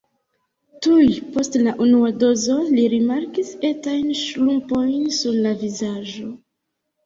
Tuj post la unua dozo li rimarkis etajn ŝrumpojn sur la vizaĝo.